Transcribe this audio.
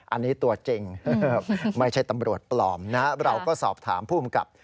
อันนี้ตัวจริงไม่ใช่ตำรวจปลอมนะเราก็สอบถามภูมิกับ